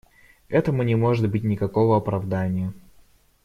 Этому не может быть никакого оправдания.